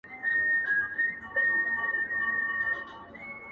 • بختور به په دنیا کي د حیات اوبه چښینه,